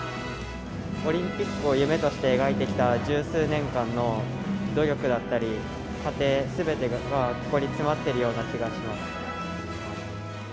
オリンピックを夢として描いてきた十数年間の努力だったり、過程すべてがここに詰まっているような気がします。